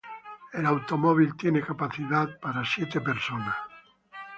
El automóvil tiene capacidad para siete personas.